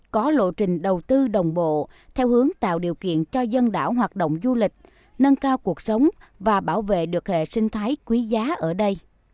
có lộ trình đầu tư đồng bộ theo hướng tạo điều kiện cho dân đảo hoạt động du lịch nâng cao cuộc sống và bảo vệ được hệ sinh thái quý giá ở đây